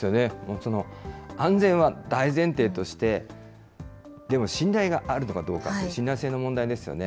その安全は大前提として、でも信頼があるのかどうか、信頼性の問題ですよね。